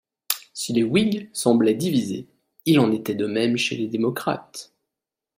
Si les Whigs semblaient divisés, il en était de même chez les démocrates.